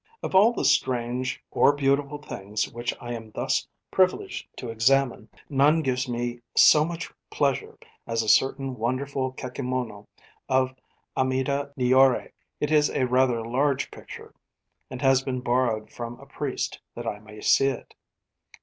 Of all the strange or beautiful things which I am thus privileged to examine, none gives me so much pleasure as a certain wonderful kakemono of Amida Nyorai. It is rather large picture, and has been borrowed from a priest that I may see it.